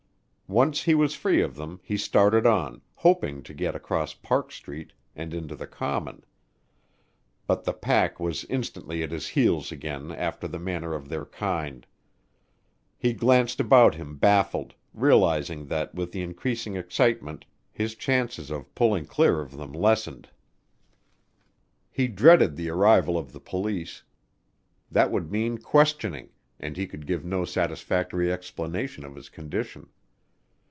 Once he was free of them, he started on, hoping to get across Park Street and into the Common. But the pack was instantly at his heels again after the manner of their kind. He glanced about him baffled, realizing that with the increasing excitement his chances of pulling clear of them lessened. He dreaded the arrival of the police that would mean questioning, and he could give no satisfactory explanation of his condition.